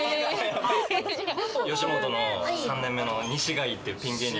吉本の３年目の西海というピン芸人。